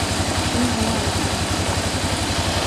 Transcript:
Choose one, Ernesto.